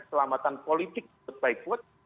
keselamatan politik baik baik